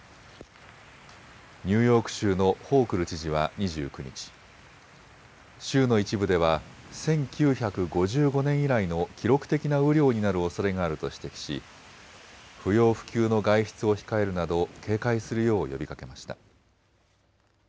ニューヨーク州のホークル知事は２９日、州の一部では１９５５年以来の記録的な雨量になるおそれがあると指摘し不要不急の外出を控えるなど警戒するよう呼びかけました。